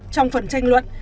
trong phần tranh luận